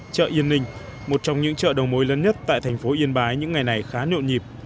chợ yên ninh một trong những chợ đầu mối lớn nhất tại thành phố yên bái những ngày này khá nhộn nhịp